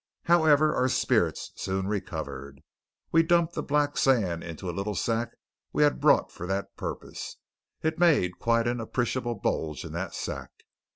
However, our spirits soon recovered. We dumped the black sand into a little sack we had brought for the purpose. It made quite an appreciable bulge in that sack.